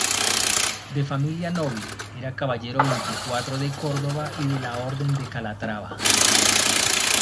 De familia noble, era caballero veinticuatro de Córdoba y de la Orden de Calatrava.